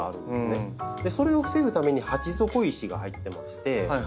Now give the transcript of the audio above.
それを防ぐために鉢底石が入ってまして。